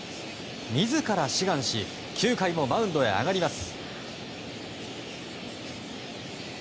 自ら志願し９回もマウンドへ上がります。